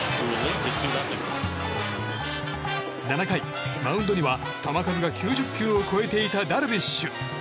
７回、マウンドには球数が９０球を超えていたダルビッシュ。